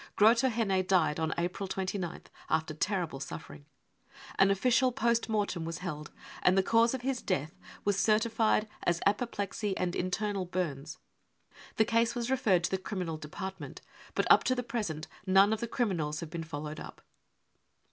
Groto henne died on April 89th, after terrible suffering. An official post mortem was held, and the cause of his death was certified as :" apoplexy and internal burns." The case was referred to the Criminal Department, but up to the present none of the criminals have been followed up.